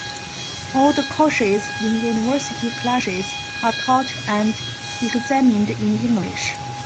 All the courses in university classes are taught and examined in English.